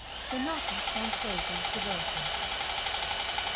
Spinoza transposes the verses.